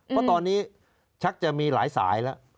เพราะตอนนี้ชักจะมีหลายสายแล้ว